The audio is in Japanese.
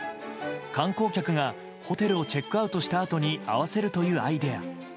観光客がホテルをチェックアウトしたあとに合わせるというアイデア。